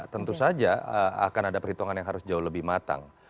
tentu saja akan ada perhitungan yang harus jauh lebih matang